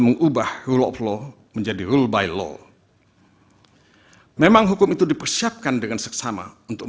mengubah rule of law menjadi rule by law memang hukum itu dipersiapkan dengan seksama untuk